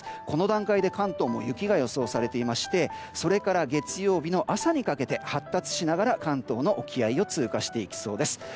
この段階で関東も雪が予想されていまして月曜日の朝にかけて発達しながら関東の沖合を通過していきそうです。